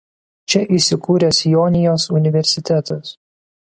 Čia įsikūręs Jonijos universitetas.